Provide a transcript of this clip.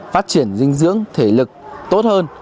phát triển dinh dưỡng thể lực tốt hơn